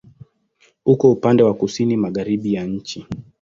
Uko upande wa kusini-magharibi ya nchi.